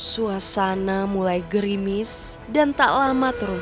suasana mulai gerimis dan tak lama terulang